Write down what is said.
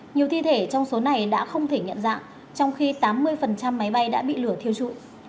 nhiều thi thể trong số này đã không thể nhận dạng trong khi tám mươi máy bay đã bị lửa thiêu trụi